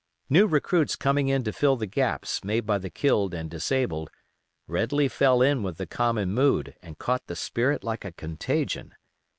New recruits coming in to fill the gaps made by the killed and disabled, readily fell in with the common mood and caught the spirit like a contagion.